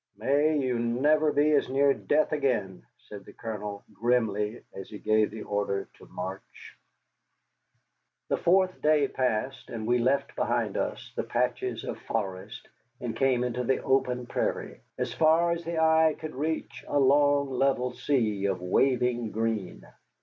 "May you never be as near death again," said the Colonel, grimly, as he gave the order to march. The fourth day passed, and we left behind us the patches of forest and came into the open prairie, as far as the eye could reach a long, level sea of waving green.